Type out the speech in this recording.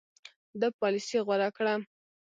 ده پالیسي غوره کړه.